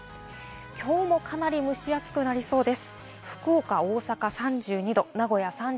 きょうもかなり蒸し暑くなりそうです。